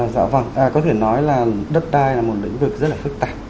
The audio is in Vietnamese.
dạ vâng có thể nói là đất đai là một lĩnh vực rất là phức tạp